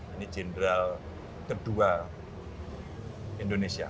ini general kedua indonesia